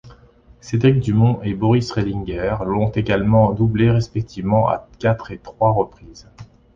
Cédric Dumond et Boris Rehlinger l'ont également doublés respectivement à quatre et trois reprises.